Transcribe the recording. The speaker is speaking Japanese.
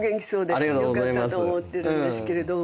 よかったと思ってるんですけども。